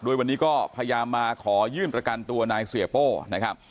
โดยวันนี้ก็พยายามมาขอยื่นประกันตัวนายเสียโป้นะครับ